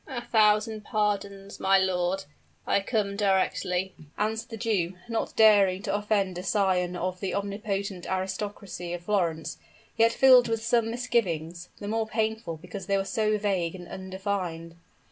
"A thousand pardons, my lord; I come directly," answered the Jew, not daring to offend a scion of the omnipotent aristocracy of Florence, yet filled with some misgivings, the more painful because they were so vague and undefined.